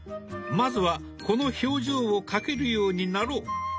まずはこの表情を描けるようになろう。